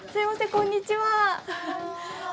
こんにちは。